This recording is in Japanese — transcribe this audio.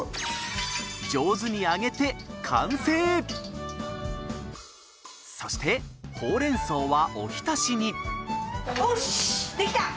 上手に揚げてそしてほうれん草はおひたしにおっし！